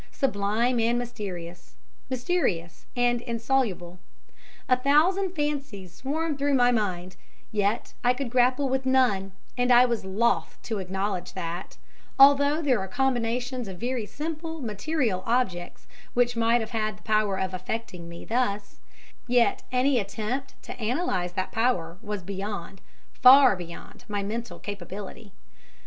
Sublime and mysterious; mysterious and insoluble. A thousand fancies swarmed through my mind; yet I could grapple with none; and I was loth to acknowledge that, although there are combinations of very simple material objects which might have had the power of affecting me thus, yet any attempt to analyse that power was beyond far beyond my mental capability.